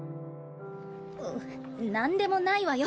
う何でもないわよ